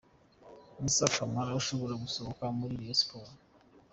Moussa Camara ashobora gusohoka muri Rayon Sports.